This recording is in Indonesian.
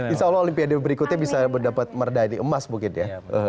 insya allah olimpiade berikutnya bisa dapat merdani emas mungkin ya